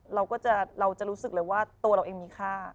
เราจะเราจะรู้สึกเลยว่าตัวเราเองมีค่า